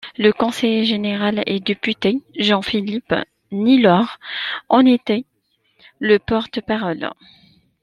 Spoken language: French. Le conseiller général et député, Jean-Philippe Nilor en était le porte-parole.